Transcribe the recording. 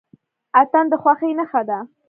اتن د خوښۍ نښه ده.